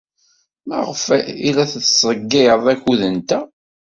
Maɣef ay la nettḍeyyiɛ akud-nteɣ?